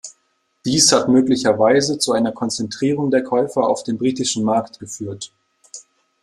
Dies hat möglicherweise zu einer Konzentrierung der Käufer auf den britischen Markt geführt.